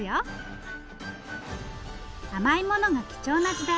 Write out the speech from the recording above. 甘いものが貴重な時代